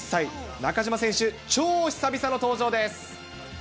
中島選手、超久々の登場です。